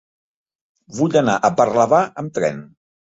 Vull anar a Parlavà amb tren.